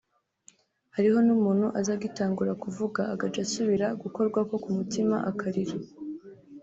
hariho n'umuntu aza agitangura kuvuga agaca asubira gukorwako ku mutima akarira